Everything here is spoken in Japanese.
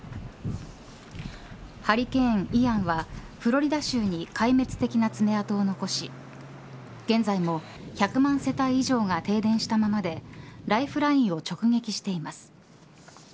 ハリケーン、イアンはフロリダ州に壊滅的な爪痕を残し現在も１００万世帯以上が停電したままでライフラインを直撃しています。